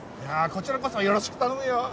こちらこそよろしく頼むよ